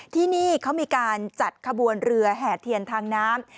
ที่นี่เขามีการจัดขบวนเรือแห่เทียนทางน้ำ